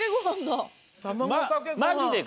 マジでか。